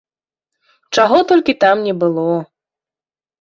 Чаго толькі там не было!